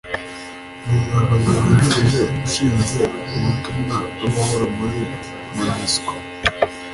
n’Umuyobozi wungirije ushinzwe ubutumwa bw’amahoro muri Monusco